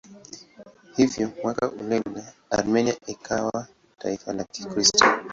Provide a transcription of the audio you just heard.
Hivyo mwaka uleule Armenia ikawa taifa la Kikristo.